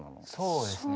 そうですね。